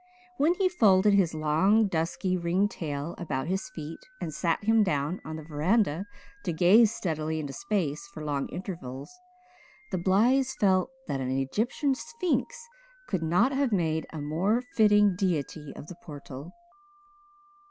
When he folded his long, dusky ringed tail about his feet and sat him down on the veranda to gaze steadily into space for long intervals the Blythes felt that an Egyptian sphinx could not have made a more fitting Deity of the Portal.